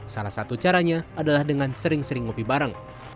salah satu caranya adalah dengan sering sering ngopi bareng